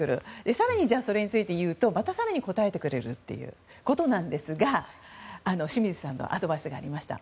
更にそれについて言うとまた更に答えてくれるということなんですが清水さんのアドバイスがありました。